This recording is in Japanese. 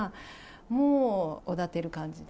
もう、おだてる感じで。